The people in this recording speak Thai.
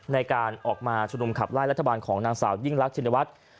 ในการออกมาชุมนุมขับไล่รัฐบาลของนางสาวยิ่งรักชินวัฒน์